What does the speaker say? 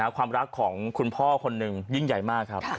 ความรักของคุณพ่อคนหนึ่งยิ่งใหญ่มากครับ